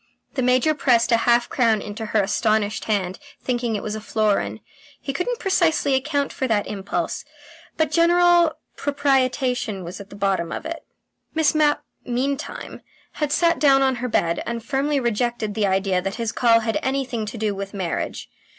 The Major pressed a half crown into her astonished hand, thinking it was a florin. He couldn't precisely account for that impulse, but general propitiation was at the bottom of it. Miss Mapp meantime had sat down on her bed, and firmly rejected the idea that his call had anything to do with marriage.